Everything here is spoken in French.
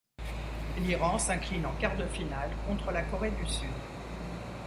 L'Iran s'incline en quart de finale contre la Corée du Sud.